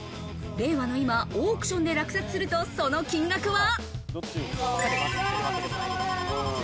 令和の今オークションで落札すると、その金額は。